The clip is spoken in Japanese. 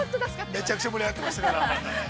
◆めちゃくちゃ盛り上がってましたから。